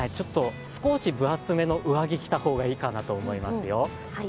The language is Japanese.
少し分厚めの上着を着た方がいいかなと思いますよ。